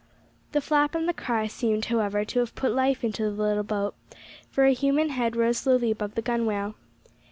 The flap and the cry seemed, however, to have put life into the little boat, for a human head rose slowly above the gunwale.